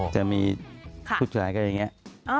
จะมีผู้ชายก็อย่างนี้